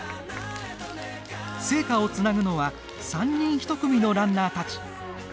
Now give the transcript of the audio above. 聖火をつなぐのは３人１組のランナーたち。